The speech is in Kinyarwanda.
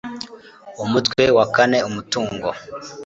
umutwe wa kane umutungo